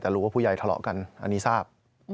แต่รู้ว่าผู้ใหญ่ทะเลาะกันอันนี้ทราบ